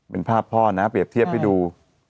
เป็นภาพพ่อนะเปรียบเทียบให้ดู